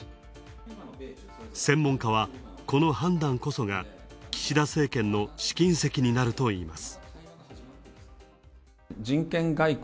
専門家はこの判断こそが岸田政権の試金石になるといいます。